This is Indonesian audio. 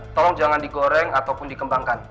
tolong jangan digoreng ataupun dikembangkan